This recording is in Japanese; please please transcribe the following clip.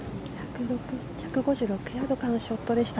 １５６ヤードからのショットでした。